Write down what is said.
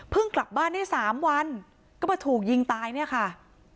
กลับบ้านได้๓วันก็มาถูกยิงตายเนี่ยค่ะ